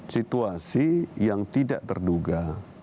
situasi yang tidak terduga